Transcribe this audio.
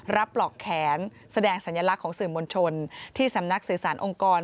ปลอกแขนแสดงสัญลักษณ์ของสื่อมวลชนที่สำนักสื่อสารองค์กร